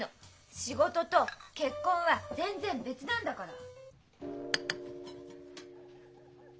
仕事と結婚は全然別なんだから。